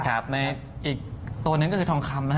ในอีกตัวหนึ่งก็คือทองคำนะฮะ